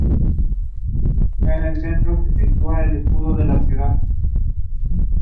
A Magazine Containing Coloured Figures with Descriptions of the Flowering Plants Indigenous in Africa.